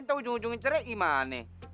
atau ujung ujungnya cerai gimana